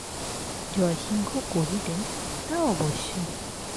জয়সিংহ কহিলেন, তা অবশ্য।